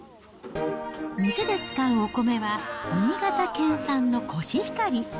店で使うお米は新潟県産のコシヒカリ。